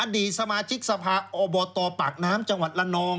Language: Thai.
ดีสมาชิกสภาอบตปากน้ำจังหวัดละนอง